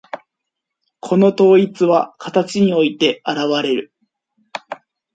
この統一は形において現われる。